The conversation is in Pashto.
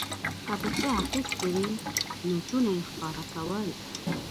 که په څه اخیستې وې نوټونه یې ښکاره کول.